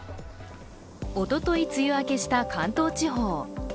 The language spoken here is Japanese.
おととい梅雨明けした関東地方。